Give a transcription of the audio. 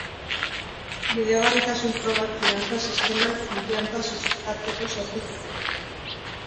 Bideragarritasun probak finantza sisteman konfiantza sustatzeko sortu zituzten.